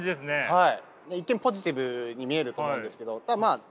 はい。